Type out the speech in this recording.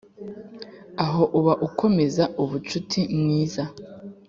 aho uba ukomeza ubucuti mwiza